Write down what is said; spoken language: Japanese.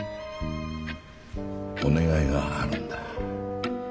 お願いがあるんだ。